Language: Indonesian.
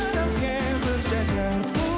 tanah airku indonesia